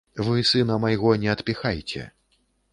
Вы сына майго не адпіхайце.